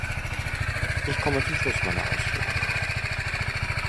Ich komme zum Schluss meiner Ausführungen.